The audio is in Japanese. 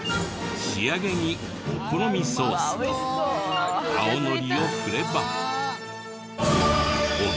仕上げにお好みソースと青のりを振れば。